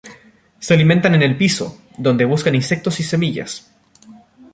Se alimentan en el piso, donde buscan insectos y semillas.